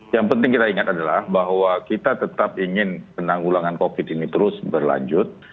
yang penting kita ingat adalah bahwa kita tetap ingin penanggulangan covid ini terus berlanjut